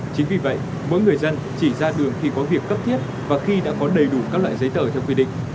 chính vì vậy mỗi người dân chỉ ra đường khi có việc cấp thiết và khi đã có đầy đủ các loại giấy tờ theo quy định